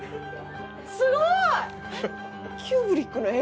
すごい！